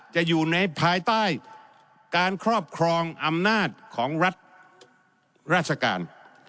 จะอยู่ในภายใต้การครอบครองอำนาจของรัฐราชการ